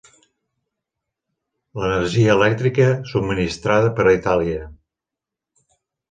L'energia elèctrica subministrada per Itàlia.